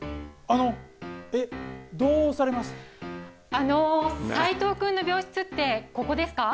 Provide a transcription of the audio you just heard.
あのサイトウ君の病室ってここですか？